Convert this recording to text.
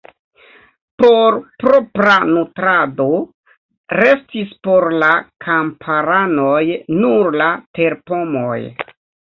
Por propra nutrado restis por la kamparanoj nur la terpomoj.